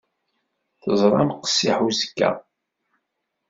Teẓram qessiḥ uzekka.